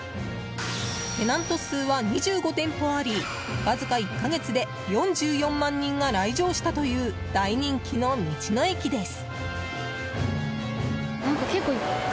テナント数は２５店舗ありわずか１か月で４４万人が来場したという大人気の道の駅です。